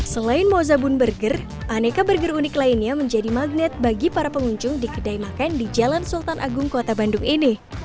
selain mozabun burger aneka burger unik lainnya menjadi magnet bagi para pengunjung di kedai makan di jalan sultan agung kota bandung ini